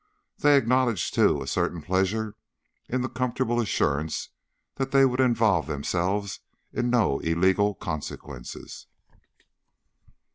They acknowledged, too, a certain pleasure in the comfortable assurance that they would involve themselves in no illegal consequences.